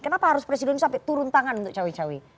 kenapa harus presiden sampai turun tangan untuk cawe cawe